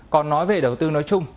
còn nói về đầu tư nói chung